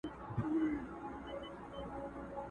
موږ په دې ساحل کي آزمېیلي توپانونه دي،